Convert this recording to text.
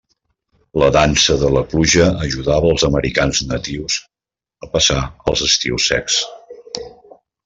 La dansa de la pluja ajudava als americans natius a passar els estius secs.